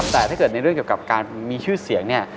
แต่ถ้าเกิดในเรื่องเกี่ยวกับการมีชื่อเสียงเนี่ย